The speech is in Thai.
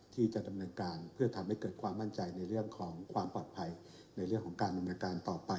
ที่จะดำเนินการเพื่อทำให้เกิดความมั่นใจในเรื่องของความปลอดภัยในเรื่องของการดำเนินการต่อไป